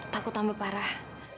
takut tambah parah